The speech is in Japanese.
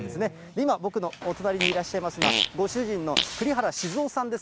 今、僕のお隣にいらっしゃいますのは、ご主人の栗原静男さんです。